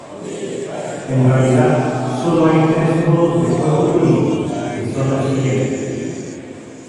En realidad, solo hay tres modos de juego únicos, que son los siguientes.